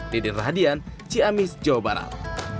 diden radian ciamis jawa barat